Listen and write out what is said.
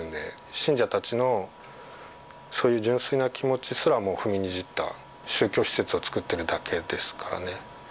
信者たちのそういう純粋な気持ちすらも踏みにじった宗教施設を造っているだけですからね。